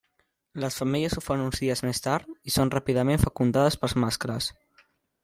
Les femelles ho fan uns dies més tard i són ràpidament fecundades pels mascles.